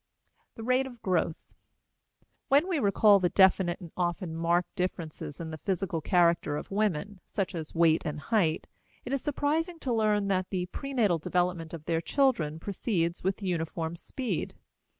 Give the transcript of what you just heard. THE RATE OF GROWTH. When we recall the definite and often marked differences in the physical character of women, such as weight and height, it is surprising to learn that the prenatal development of their children proceeds with uniform speed.